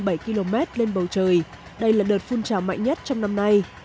các chiến bay quanh vùng núi cao hơn bảy km lên bầu trời đây là đợt phun trào mạnh nhất trong năm nay